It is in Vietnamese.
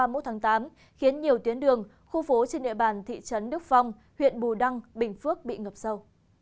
cơn mưa lớn đêm ba mươi tháng tám đến dạng sát covid một mươi chín khiến nhiều tuyến đường khu phố trên địa bàn thị trấn đức phong huyện bù đăng bình phước bị ngập sâu